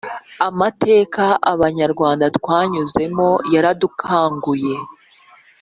Amateka abanyarwanda twanyuzemo yaradukanguye